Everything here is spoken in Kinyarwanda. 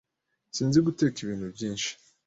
Sinzi guteka ibintu byinshi.